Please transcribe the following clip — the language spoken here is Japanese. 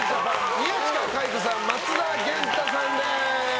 宮近海斗さん、松田元太さんです。